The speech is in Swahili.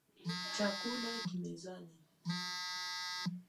Chakula ki mezani.